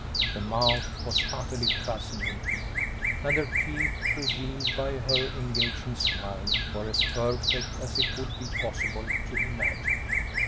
The mouth was utterly fascinating, and her teeth, revealed by her engaging smile, were as perfect as it would be possible to imagine.